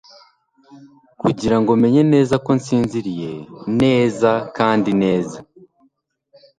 kugirango menye neza ko nsinziriye neza kandi neza